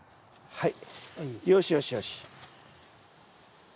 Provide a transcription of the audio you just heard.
はい。